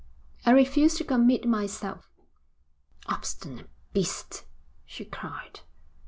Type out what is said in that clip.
'I refuse to commit myself.' 'Obstinate beast,' she cried.